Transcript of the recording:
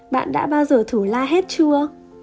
bạn đã bao giờ thử la hết chưa